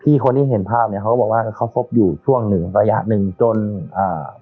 คนที่เห็นภาพเนี้ยเขาก็บอกว่าเขาคบอยู่ช่วงหนึ่งระยะหนึ่งจนอ่า